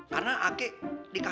karena aki dikawal